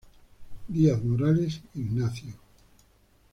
Díaz-Morales, Ignacio.